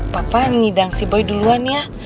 papa ngidang si boy duluan ya